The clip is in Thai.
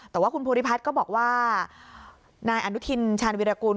แต่ว่าคุณภูริพัฒน์ก็บอกว่านายอนุทินชาญวิรากุล